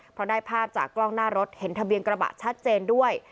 เพราะได้ภาพจากกล้องหน้ารถเห็นทะเบียนกระบะชัดเจนด้วย